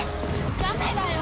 ダメだよ！